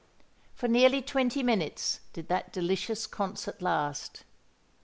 For nearly twenty minutes did that delicious concert last.